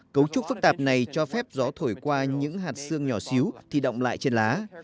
cấu trúc phức tạp này cho phép gió thổi qua những hạt xương nhỏ xíu thì động lại trên lá